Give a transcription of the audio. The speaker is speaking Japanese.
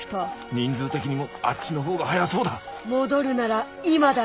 人数的にもあっちの方が早そうだ戻るなら今だよ